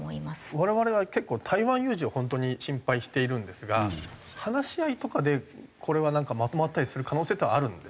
我々は結構台湾有事を本当に心配しているんですが話し合いとかでこれはなんかまとまったりする可能性っていうのはあるんですか？